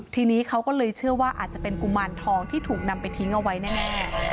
ทีนี้เขาก็เลยเชื่อว่าอาจจะเป็นกุมารทองที่ถูกนำไปทิ้งเอาไว้แน่